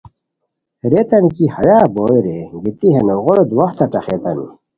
ریتانی کی ہیا بوئے رے گیتی ہے نوغٔورو دواہتہ ٹھخیتانی